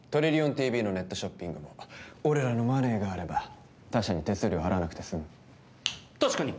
ＴＶのネットショッピングも俺らのマネーがあれば他社に手数料を払わなくて済む確かに！